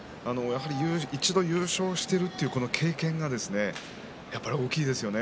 一度、優勝しているという経験がやはり大きいですよね。